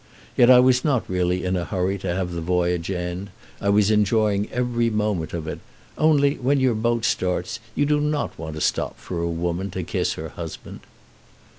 Yet I was not really in a hurry to have the voyage end; I was enjoying every moment of it, only, when your boat starts, you do not want to stop for a woman to kiss her husband.